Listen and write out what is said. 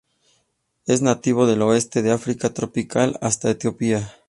Es nativo del oeste de África tropical hasta Etiopía.